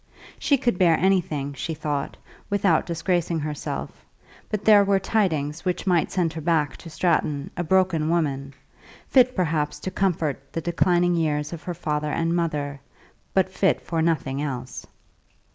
She could bear anything, she thought, without disgracing herself; but there were tidings which might send her back to Stratton a broken woman, fit perhaps to comfort the declining years of her father and mother, but fit for nothing else.